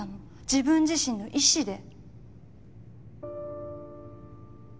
自分自身の意志で。